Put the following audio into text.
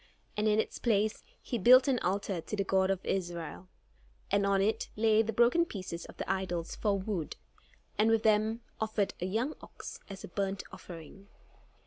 And in its place he built an altar to the God of Israel; and on it laid the broken pieces of the idols for wood, and with them offered a young ox as a burnt offering.